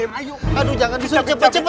kalau kamu gak bisa menangin aku